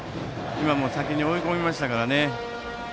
今も先に追い込みましたからね。